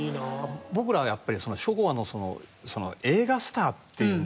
僕らはやっぱり昭和のその映画スターっていうんですかね